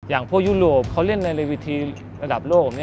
อย่างพวกยุโรปเขาเล่นในวีทีระดับโลก